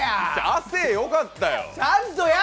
亜生、よかったよ。